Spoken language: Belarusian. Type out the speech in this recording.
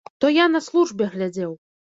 То я на службе глядзеў.